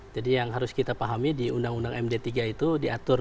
jadi yang harus kita pahami di undang undang md tiga itu diatur